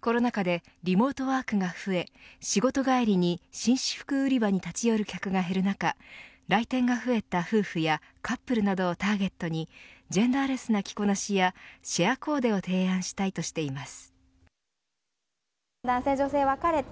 コロナ禍でリモートワークが増え仕事帰りに紳士服売り場に立ち寄る客が減る中来店が増えた、夫婦やカップルなどをターゲットにジェンダーレスな着こなしやシェアコーデを提案したいとしています。